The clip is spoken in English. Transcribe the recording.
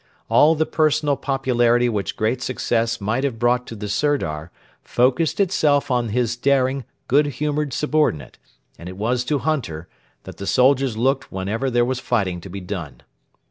All the personal popularity which great success might have brought to the Sirdar focussed itself on his daring, good humoured subordinate, and it was to Hunter that the soldiers looked whenever there was fighting to be done.